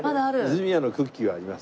泉屋のクッキーはあります。